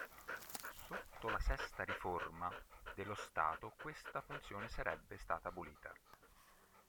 Sotto la Sesta riforma dello Stato questa funzione sarebbe stata abolita.